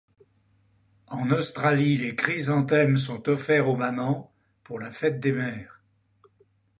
En Australie, les chrysanthèmes sont offerts aux mamans pour la fête des mères.